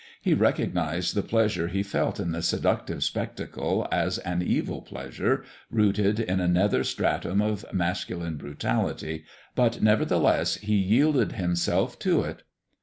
He recognized the pleasure he felt in the seductive spectacle as an evil pleasure, rooted in a nether stratum of masculine brutality, but, nevertheless, he yielded himself to it.